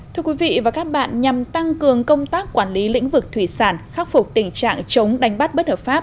thưa quý vị và các bạn nhằm tăng cường công tác quản lý lĩnh vực thủy sản khắc phục tình trạng chống đánh bắt bất hợp pháp